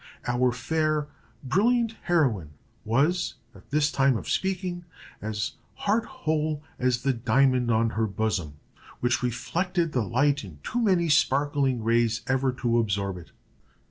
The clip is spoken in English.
Our fair, brilliant heroine was, at this time of speaking, as heart whole as the diamond on her bosom, which reflected the light in too many sparkling rays ever to absorb it.